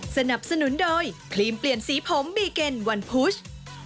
สนับสนุนโดยครีมเปลี่ยนสีผมบีเก็นวันพุช